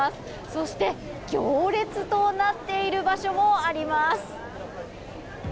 そして、行列となっている場所もあります。